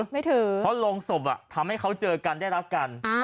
ไม่ถือเพราะโรงศพทำให้เขาเจอกันได้รักกัน